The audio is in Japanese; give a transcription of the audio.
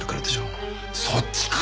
そっちか！